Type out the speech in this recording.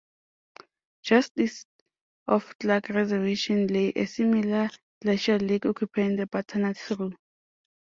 Just east of Clark Reservation lay a similar glacial lake occupying the Butternut trough.